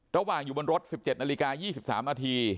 ระหว่างอยู่บนรถ๑๗นาฬิกา๒๓นาที